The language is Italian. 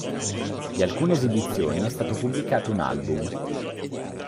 Di alcune esibizioni è stato pubblicato un album.